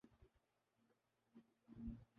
حالانکہ ان میں چھلنی کوئی نہیں، سب چھاج ہی ہیں۔